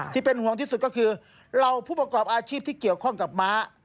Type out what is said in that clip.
ที่เป็นห่วงที่สุดก็คือเราผู้ประกอบอาชีพที่เกี่ยวข้องกับม้า